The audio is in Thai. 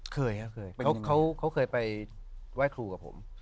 เคยครับเคยเขาเคยไปไหว้ครูกับผม